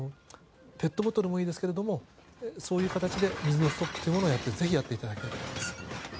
ペットボトルもいいですがそういう形で水のストックをぜひやっていただきたいです。